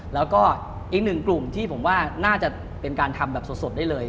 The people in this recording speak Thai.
แล้วก็อีกหนึ่งกลุ่มที่ผมว่าน่าจะเป็นการทำแบบสดได้เลย